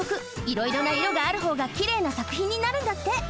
いろいろないろがあるほうがきれいなさくひんになるんだって。